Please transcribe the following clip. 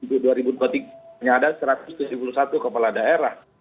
untuk dua ribu dua puluh tiga hanya ada satu ratus tujuh puluh satu kepala daerah